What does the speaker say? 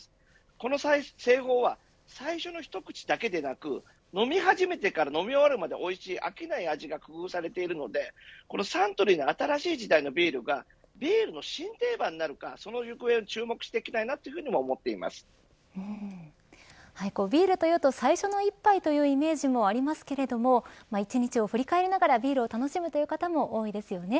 この製法は最初の一口だけでなく飲み始めてから飲み終わるまでおいしい、飽きない味が工夫されているのでサントリーの新しい時代のビールがビールの新定番になるかその行方を注目していきたいとビールと言うと最初の一杯というイメージもありますけれども１日を振り返りながらビールを楽しむという方も多いですよね。